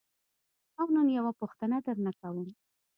او نن یوه پوښتنه درنه کوم.